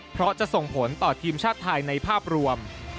เพราะจะส่งผลต่อทีมชาติไทยในภาพรวม